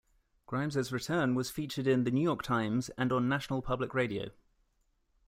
Grimes's return was featured in "The New York Times" and on National Public Radio.